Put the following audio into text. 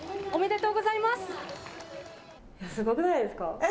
すごくないですか。